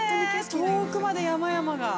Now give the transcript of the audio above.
遠くまで山々が。